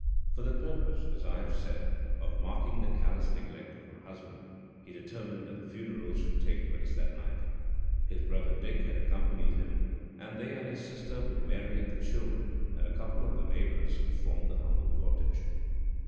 For the purpose, as I have said, of marking the callous neglect of her husband, he determined that the funeral should take place that night. His brother Dick had accompanied him, and they and his sister, with Mary and the children, and a couple of the neighbours, formed the humble cortege.